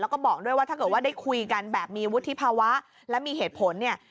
แล้วก็บอกด้วยว่าถ้าเกิดว่าได้คุยกันแบบมีวุฒิภาวะและมีเหตุผลเนี่ย